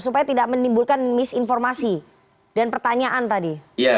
supaya tidak menimbulkan misinformasi dan pertanyaan tadi